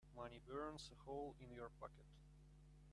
Money burns a hole in your pocket.